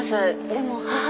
でも母は。